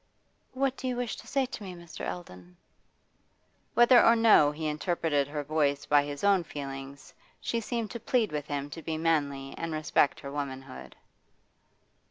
'What do you wish to say to me, Mr. Eldon?' Whether or no he interpreted her voice by his own feelings, she seemed to plead with him to be manly and respect her womanhood.